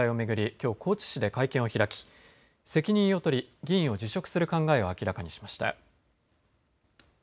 きょう高知市で会見を開き、責任を取り議員を辞職する考えを明らかにしました。